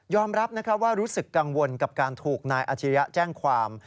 รับว่ารู้สึกกังวลกับการถูกนายอาชิริยะแจ้งความ